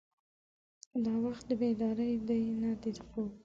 دا وخت د بیدارۍ دی نه د خوب.